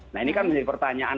nah ini kan menjadi pertanyaan